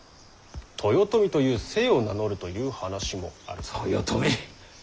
豊臣という姓を名乗るという話もある。